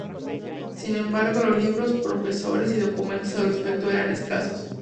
Sin embargo, los libros, profesores y documentos al respecto eran escasos.